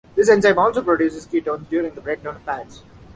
This enzyme also produces ketones during the breakdown of fats.